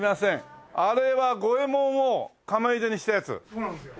そうなんですよ。